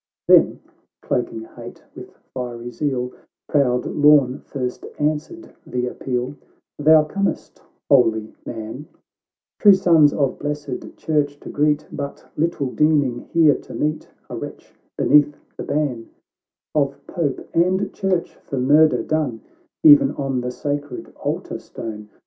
— XXIV Then, cloaking hate with fiery zeal, Proud Lorn first answered the appeal ;—" Thou comest, O holy Man, True sons of blessed church to greet, But little deeming here to meet A wretch, beneath the ban Of Pope and Church, for murder done Even on the sacred altar stone